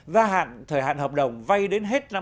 gia hạn thời hạn hợp đồng vay đến hết năm hai nghìn hai mươi